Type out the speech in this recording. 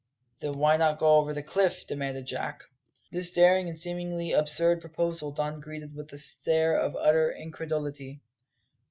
"Then why not go over the cliff?" demanded Jack. This daring and seemingly absurd proposal Don greeted with a stare of utter incredulity.